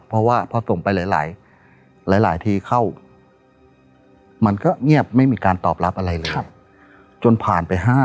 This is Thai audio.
เพราะว่าพอส่งไปหลายหลายหลายหลายที่เข้า